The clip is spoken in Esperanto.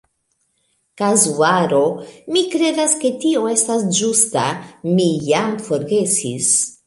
"Kazuaro". Mi kredas, ke tio estas ĝusta, mi jam forgesis.